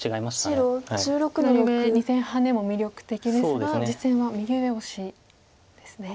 左上２線ハネも魅力的ですが実戦は右上オシですね。